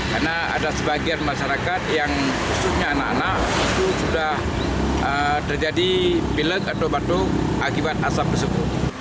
karena ada sebagian masyarakat yang khususnya anak anak itu sudah terjadi pilek atau batuk akibat asap tersebut